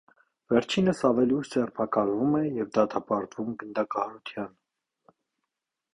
Վերջինս ավելի ուշ ձերբակալվում է և դատապարտվում գնդակահարության։